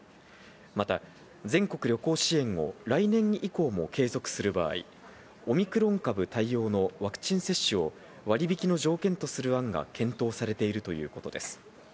また、全国旅行支援を来年以降も継続する場合、オミクロン株対応のワクチン接種を割引の条件とする案が検討されているということです。